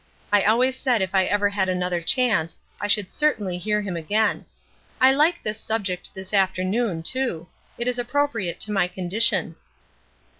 I always said if I ever had another chance I should certainly hear him again. I like his subject this afternoon, too. It is appropriate to my condition."